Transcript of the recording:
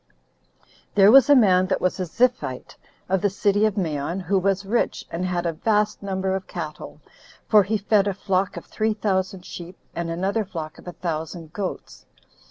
6. There was a man that was a Ziphite, of the city of Maon, who was rich, and had a vast number of cattle; for he fed a flock of three thousand sheep, and another flock of a thousand goats.